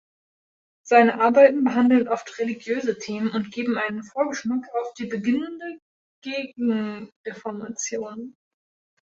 Seine Arbeiten behandeln oft religiöse Themen und geben einen Vorgeschmack auf die beginnende Gegenreformation.